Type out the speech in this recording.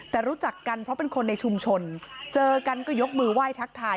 แต่รู้จักกันเพราะเป็นคนในชุมชนเจอกันก็ยกมือไหว้ทักทาย